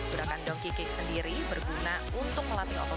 gerakan donkey kick sendiri berguna untuk melatih otot